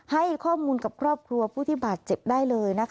ให้ข้อมูลกับครอบครัวผู้ที่บาดเจ็บได้เลย